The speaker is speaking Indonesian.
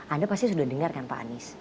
anda pasti sudah dengar kan pak anies